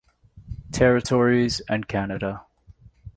Territories, and Canada.